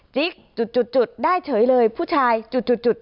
จิ๊กจุดจุดจุดได้เฉยเลยผู้ชายจุดจุดจุด